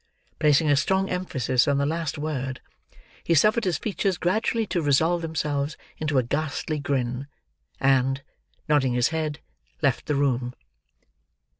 Placing a strong emphasis on the last word, he suffered his features gradually to resolve themselves into a ghastly grin, and, nodding his head, left the room.